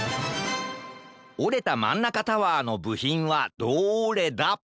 おれたマンナカタワーのぶひんはどれだ？